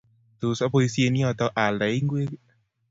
Tos apoisyen yoto aaldae ingwek ii?